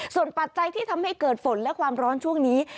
ส่วนปัจจัยที่ทำให้เกิดฝนและความร้อนช่วงนี้